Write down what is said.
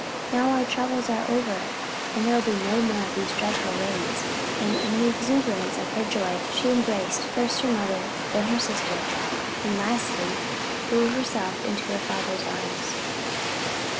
"Now our troubles are over and there will be no more of these dreadful raids." And in the exuberance of her joy she embraced first her mother, then her sister, and lastly threw herself into her father's arms.